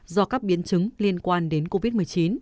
do các biến chứng liên quan đến covid một mươi chín